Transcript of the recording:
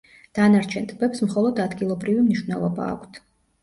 დანარჩენ ტბებს მხოლოდ ადგილობრივი მნიშვნელობა აქვთ.